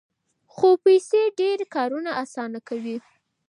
خو پیسې ډېر کارونه اسانه کوي.